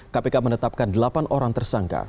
kpk menetapkan delapan orang tersangka